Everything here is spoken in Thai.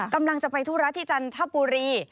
กำลังจะไปธุระที่จันทบุรี